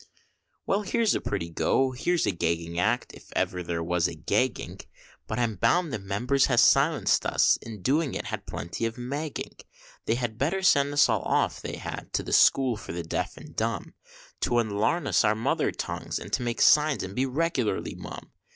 Well, here's a pretty go! here's a Gagging Act, if ever there was a gagging! But I'm bound the members as silenced us, in doing it had plenty of magging. They had better send us all off, they had, to the School for the Deaf and Dumb, To unlarn us our mother tongues, and to make signs and be regularly mum.